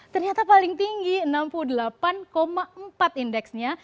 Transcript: ternyata paling tinggi enam puluh delapan empat indeksnya